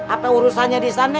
apa urusannya disane